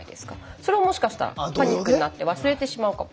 それをもしかしたらパニックになって忘れてしまうかも。